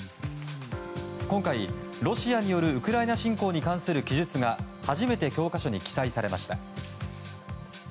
今回、ロシアによるウクライナ侵攻に関する記述が初めて教科書に記載されました。